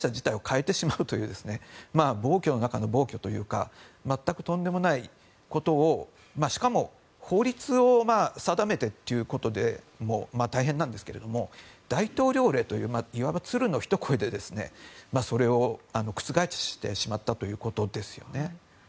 細かい条件の例えば税率をちょっと変えるとかそういうことではなくもう事業会社自体を変えてしまうという暴挙の中の暴挙というか全くとんでもないことをしかも法律を定めてということでも大変なんですが大統領令といういわば鶴のひと声でそれを覆してしまったということですよね。